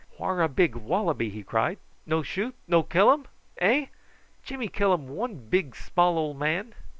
"Whar a big wallaby?" he cried. "No shoot? No killum? Eh? Jimmy killum one big small ole man!"